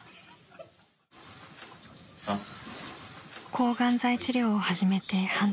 ［抗がん剤治療を始めて半年］